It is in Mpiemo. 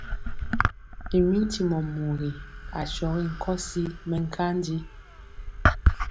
I mi ntimɔ mugi asɔgi nkɔsi mɛnkanji.